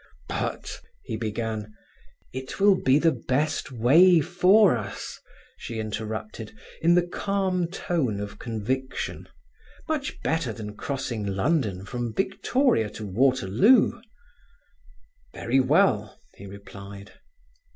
"But—" he began. "It will be the best way for us," she interrupted, in the calm tone of conviction. "Much better than crossing London from Victoria to Waterloo." "Very well," he replied.